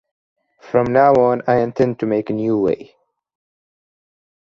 From now on I intend to take a new way.